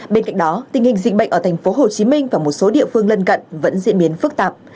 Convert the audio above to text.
bên cạnh đó tình hình dịch bệnh ở thành phố hồ chí minh và một số địa phương lân cận vẫn diễn biến phức tạp